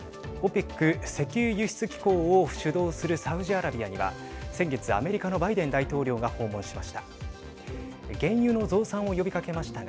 ＯＰＥＣ＝石油輸出機構を主導するサウジアラビアには先月、アメリカのバイデン大統領が訪問しました。